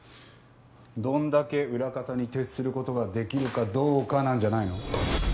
どんだけ裏方に徹する事が出来るかどうかなんじゃないの？